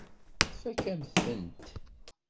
Tfakk-am-tent.